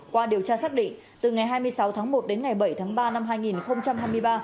qua điều tra xác định từ ngày hai mươi sáu tháng một đến ngày bảy tháng ba năm hai nghìn hai mươi ba